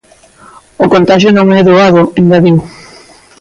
O contaxio non é doado, engadiu.